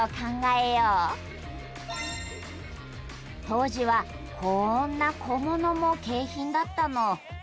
当時はこんな「小物」も景品だったの。